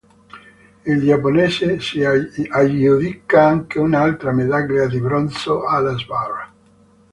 Il giapponese si aggiudica anche un'altra medaglia di bronzo alla sbarra.